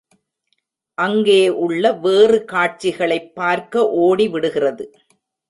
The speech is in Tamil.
அங்கே உள்ள வேறு காட்சிகளைப் பார்க்க ஓடி விடுகிறது.